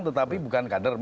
tetapi bukan kader